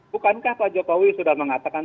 bukankah pak jokowi sudah mengatakan